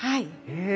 へえ。